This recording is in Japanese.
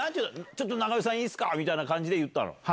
ちょっと長与さん、いいですかみたいな感じで言ったの？